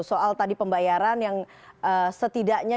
soal tadi pembayaran yang setidaknya